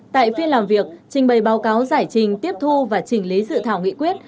tại phiên làm việc trình bày báo cáo giải trình tiếp thu và trình lý dự thảo nghị quyết